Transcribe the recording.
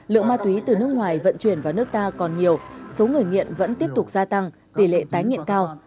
lượng ma túy từ nước ngoài vận chuyển vào nước ta còn nhiều số người nghiện vẫn tiếp tục gia tăng tỷ lệ tái nghiện cao